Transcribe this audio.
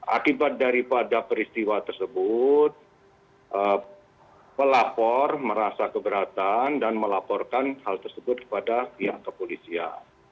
akibat daripada peristiwa tersebut pelapor merasa keberatan dan melaporkan hal tersebut kepada pihak kepolisian